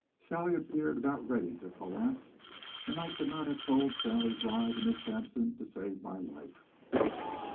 Sally appeared about ready to collapse and I could not have told Sally's lie to Miss Sampson to save my life.